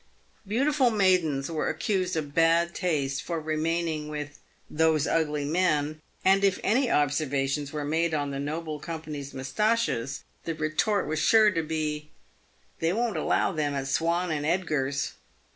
Beautiful maidens were accused of bad taste for remaining " with those ugly men ;" and if any observations were made on the noble company's moustaches, the retort was sure to be, " They won't allow them at Swan and Edgar's."